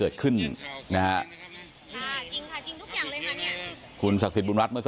ไปฝีมะกลาวอันนึง